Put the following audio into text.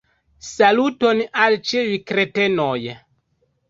Saluton al ĉiuj kretenoj